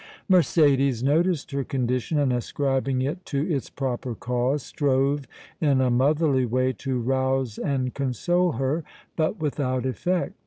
Mercédès noticed her condition, and, ascribing it to its proper cause, strove in a motherly way to rouse and console her, but without effect.